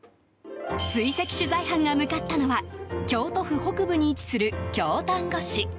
追跡取材班が向かったのは京都府北部に位置する京丹後市。